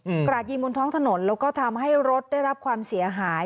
กราดยิงบนท้องถนนแล้วก็ทำให้รถได้รับความเสียหาย